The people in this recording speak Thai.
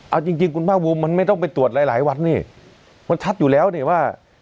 เอาจริงคุณภาคคุมมันไม่ต้องไปตรวจหลายวันเนี่ยมันชัดอยู่แล้วเนี่ยว่า